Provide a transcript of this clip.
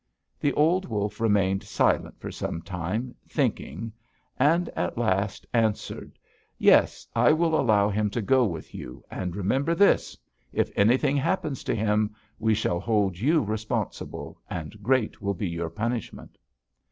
"The old wolf remained silent for some time, thinking, and at last answered: 'Yes, I will allow him to go with you, and remember this: if anything happens to him, we shall hold you responsible, and great will be your punishment!'